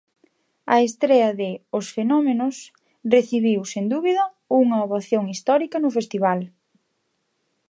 A estrea de "Os Fenómenos" recibiu, sen dúbida, unha ovación histórica no festival.